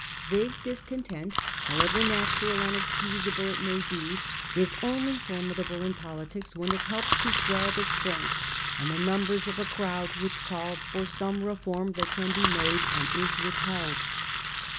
Yague discontent, however natural and ex cusable it may be, is only formidable in politics when it helps to swell the strength and the numbers of a crowd which calls for some reform that can be made and is withheld.